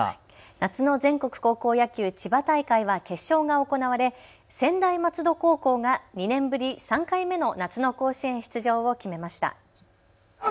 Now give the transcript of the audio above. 夏の全国高校野球千葉大会は決勝が行われ、専大松戸高校が２年ぶり３回目の夏の甲子園出場を決めました。